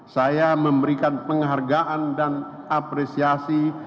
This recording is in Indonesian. saya memberikan penghargaan dan apresiasi